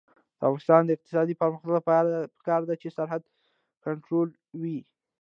د افغانستان د اقتصادي پرمختګ لپاره پکار ده چې سرحد کنټرول وي.